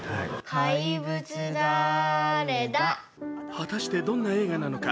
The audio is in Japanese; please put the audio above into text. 果たして、どんな映画なのか。